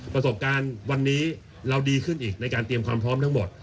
ประสบการณ์วันนี้เราดีขึ้นอีกในการเตรียมความพร้อมทั้งหมด